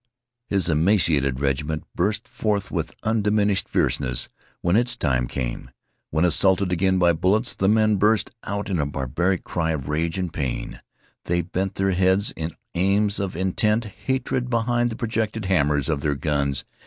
His emaciated regiment bustled forth with undiminished fierceness when its time came. When assaulted again by bullets, the men burst out in a barbaric cry of rage and pain. They bent their heads in aims of intent hatred behind the projected hammers of their guns.